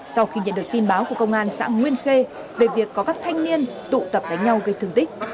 sau khi nhận được tin báo của công an xã nguyên khê về việc có các thanh niên tụ tập đánh nhau gây thương tích